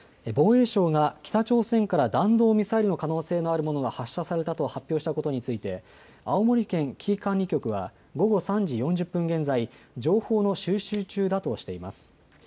防衛省が北朝鮮から弾道ミサイルの可能性のあるものが発射されたと発表したことについて青森県危機管理局は午後３時４０分現在、情報の収集中だとしています。